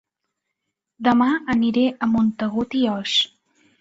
Dema aniré a Montagut i Oix